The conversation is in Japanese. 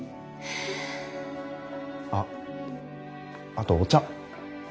あっあとお茶。